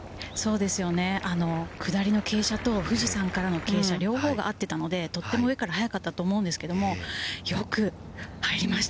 下りの傾斜と富士山からの傾斜両方が合ってたので、とっても速かったと思うんですけれど、よく入りました。